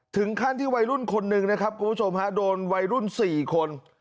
ถึงขั้นที่วัยรุ่นคนหนึ่งนะครับคุณผู้ชมฮะโดนวัยรุ่น๔คน